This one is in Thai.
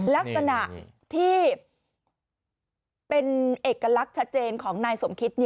ลักษณะที่เป็นเอกลักษณ์ชัดเจนของนายสมคิต